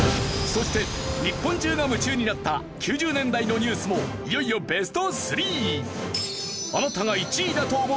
そして日本中が夢中になった９０年代のニュースもいよいよベスト３！